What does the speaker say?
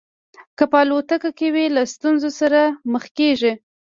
که په الوتکه کې وي له ستونزو سره مخ کېږي.